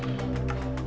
supaya beliau lebih khusus